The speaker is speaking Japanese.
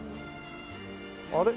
あれ？